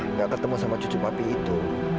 nggak ketemu sama cucu papi itu